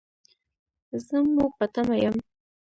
زه مو په تمه یم